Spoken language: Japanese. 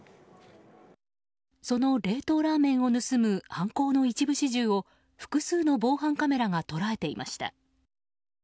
その冷凍ラーメンを盗む犯行の一部始終を複数の防犯カメラが捉えていました。